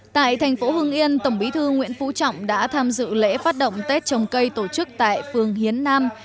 tại thành phố hưng yên tổng bí thư nguyễn phú trọng đã tham dự lễ phát động tết trồng cây tổ chức tại phường hiến nam